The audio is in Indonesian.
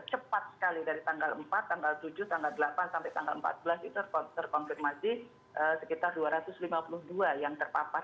cepat sekali dari tanggal empat tanggal tujuh tanggal delapan sampai tanggal empat belas itu terkonfirmasi sekitar dua ratus lima puluh dua yang terpapar